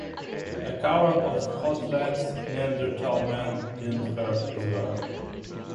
A cover of Hotlegs' "Neanderthal Man" didn't fare as well.